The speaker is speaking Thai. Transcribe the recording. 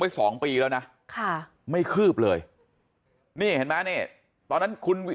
สองปีแล้วนะค่ะไม่คืบเลยนี่เห็นไหมนี่ตอนนั้นคุณ